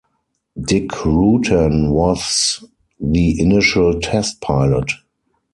Dick Rutan was the initial test pilot.